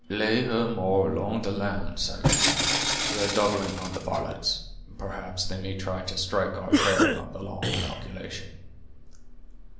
Lay her more along the land, Sagamore; we are doubling on the varlets, and perhaps they may try to strike our trail on the long calculation."